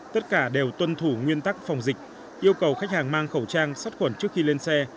tất cả đều tuân thủ nguyên tắc phòng dịch yêu cầu khách hàng mang khẩu trang sắt khuẩn trước khi lên xe